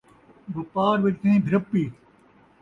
وپار وِچ کئیں بھرپی